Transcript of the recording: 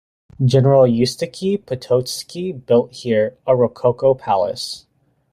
General Eustachy Potocki built here a rococo palace.